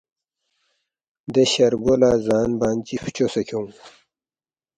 ”دی شرگو لہ زان بان چی فچوسے کھیونگ